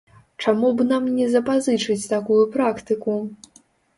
Чаму б нам не запазычыць такую практыку?